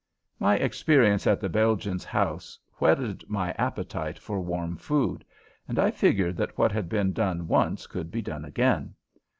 My experience at the Belgian's house whetted my appetite for warm food, and I figured that what had been done once could be done again.